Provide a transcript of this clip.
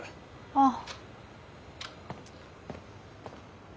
ああ。